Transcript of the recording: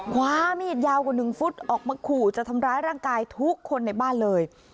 คว้ามีดยาวกว่า๑ฟุตออกมาขู่จะทำร้ายร่างกายทุกคนในบ้านเลย